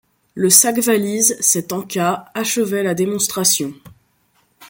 Le sac-valise, cet en-cas, achevait la démonstration.